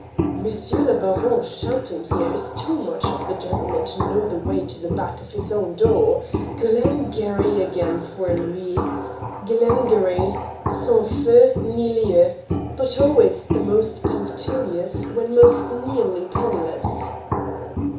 M. le Baron shouting there is too much of the gentleman to know the way to the back of his own door; Glengarry again for a louis! Glengarry sans feu ni lieu, but always the most punctilious when most nearly penniless."